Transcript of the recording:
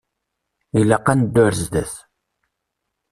Ilaq ad neddu ar zdat.